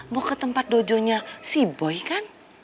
mau ke tempat dojonya si boy kan